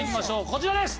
こちらです。